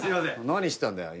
何してたんだよ？